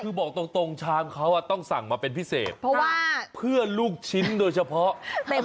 คือบอกตรงชามเขาต้องสั่งมาเป็นพิเศษเพื่อลูกชิ้นโดยเฉพาะ